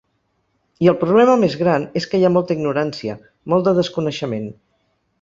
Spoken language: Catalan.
I el problema més gran és que hi ha molta ignorància, molt de desconeixement.